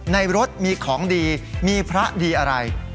ในรถมีของดีมีพระดีอะไร